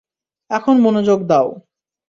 এখন মনোযোগ দাও।